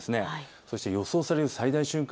そして予想される最大瞬間